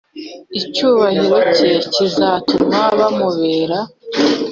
icyubahiro cye kizatuma bamubera